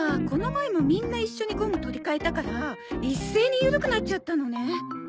この前もみんな一緒にゴム取り替えたから一斉にゆるくなっちゃったのね。